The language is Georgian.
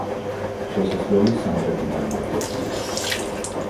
შესასვლელი სამხრეთიდან უნდა ყოფილიყო.